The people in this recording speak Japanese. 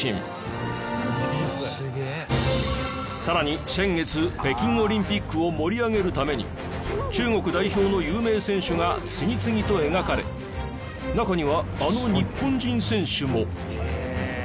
さらに先月北京オリンピックを盛り上げるために中国代表の有名選手が次々と描かれ中にはあの日本人選手も。